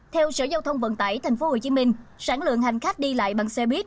theo sở giao thông vận tải tp hcm sản lượng hành khách đi lại bằng xe buýt